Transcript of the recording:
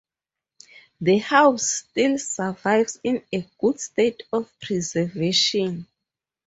The house still survives in a good state of preservation.